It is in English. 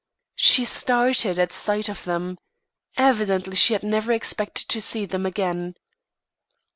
She started at sight of them. Evidently she had never expected to see them again.